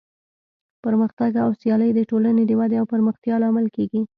پرمختګ او سیالي د ټولنې د ودې او پرمختیا لامل دی.